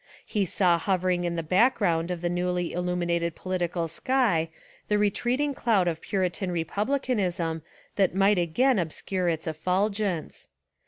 He saw hovering in the background of the newly illu minated political sky the retreating cloud of puritan republicanism that might again obscure its effulgence.